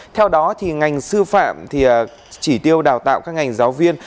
theo đó thì ngành sư phạm chỉ tiêu đào tạo các ngành giáo viên